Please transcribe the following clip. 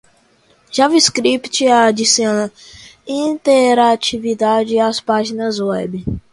JavaScript adiciona interatividade às páginas web.